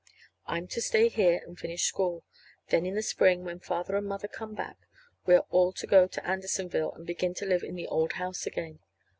I'm to stay here and finish school. Then, in the spring, when Father and Mother come back, we are all to go to Andersonville and begin to live in the old house again.